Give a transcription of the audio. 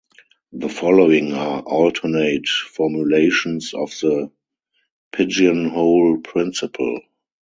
The following are alternate formulations of the pigeonhole principle.